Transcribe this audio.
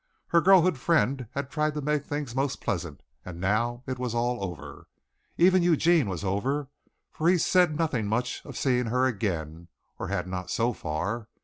Her girlhood friend had tried to make things most pleasant and now it was all over. Even Eugene was over, for he said nothing much of seeing her again, or had not so far.